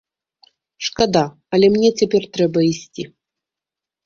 Шкада, але мне цяпер трэба ісці.